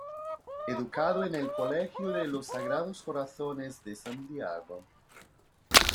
Educado en el Colegio de los Sagrados Corazones de Santiago.